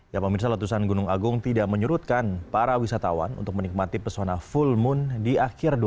ya pemirsa letusan gunung agung tidak menyurutkan para wisatawan untuk menikmati pesona full moon di akhir dua ribu delapan belas